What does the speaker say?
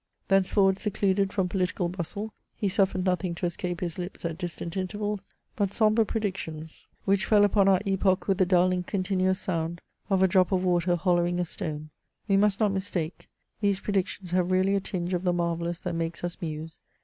Thenceforward secluded from political bustle, he suffered nothing to escape his lips at distant intervals but sombre predictions,* which fell upon our epoch with the dull and continuous sound of a drop of water hollow ing a stone. We must not mistake : these predictions have ^really a tinge of the marvellous that makes us muse.